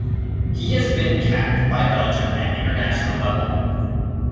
He has been capped by Belgium at international level.